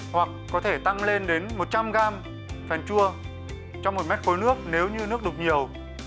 hoặc có thể tăng lên đến một trăm linh gram phần chua trong một mét khối nước nếu như nước đục nhiều